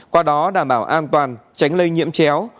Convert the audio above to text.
qua đó đảm bảo an toàn tránh lây nhiễm chéo